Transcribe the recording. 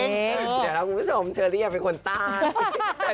เดี๋ยวเรามองูฟิเซลิ่งอย่างเป็นคนใต้